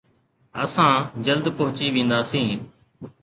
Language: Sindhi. اسان جلد پهچي وينداسين